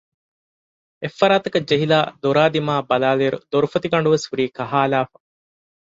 އެއްފަރާތަކަށް ޖެހިލައި ދޮރާ ދިމާއަށް ބަލާލިއިރު ދޮރުފޮތި ގަނޑުވެސް ހުރީ ކަހައިލައިފަ